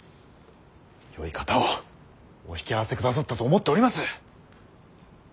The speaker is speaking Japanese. よい方をお引き合わせくださったと思っております。